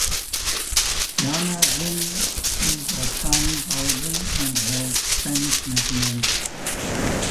Jana Xin is of Chinese origin and has Spanish nationality.